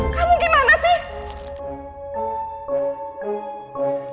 kamu gimana sih